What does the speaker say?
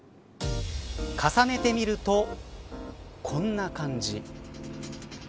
重ねてみると、こんな感じ。